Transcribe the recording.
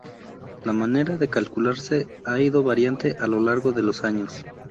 La manera de calcularse ha ido variante a lo largo de los años.